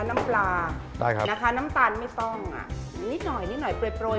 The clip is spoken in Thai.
น้ำปลาน้ำตาลไม่ต้องนิดหน่อยนิดหน่อยโปรดโปรด